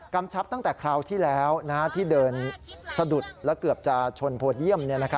กำชับตั้งแต่คราวที่เดินสะดุดแล้วเกือบจะชนโพเดียม